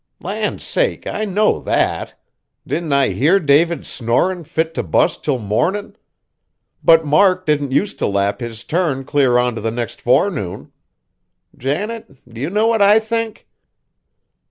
"Land sake! I know that. Didn't I hear David snorin' fit t' bust, till mornin'? But Mark didn't use t' lap his turn clear on t' the next forenoon. Janet, do you know what I think?"